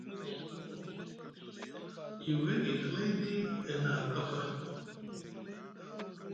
Yivay gay hlayɗi e hini aha kafa.